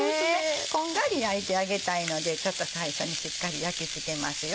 こんがり焼いてあげたいのでちょっと最初にしっかり焼き付けますよ。